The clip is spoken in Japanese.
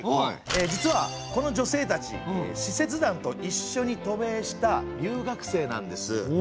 実はこの女性たち使節団と一緒に渡米した留学生なんです。